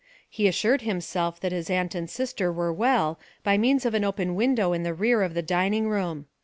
He assured himself that his aunt and sister were well by means of an open window in the rear of the dining room.